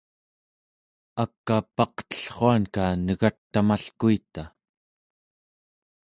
ak'a paqtellruanka negat tamalkuita